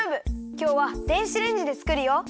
きょうは電子レンジでつくるよ。